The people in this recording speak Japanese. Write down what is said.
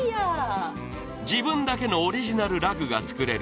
自分だけのオリジナルラグが作れる